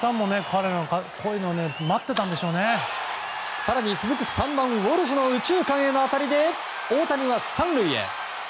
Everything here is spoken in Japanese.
更に続く３番ウォルシュの右中間への当たりで大谷は３塁へ。